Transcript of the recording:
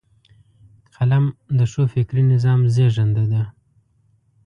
قلم د ښو فکري نظام زیږنده ده